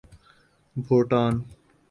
Bhutan